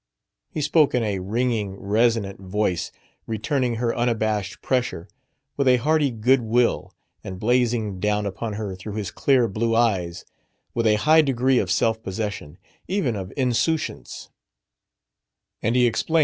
He spoke in a ringing, resonant voice, returning her unabashed pressure with a hearty good will and blazing down upon her through his clear blue eyes with a high degree of self possession, even of insouciance.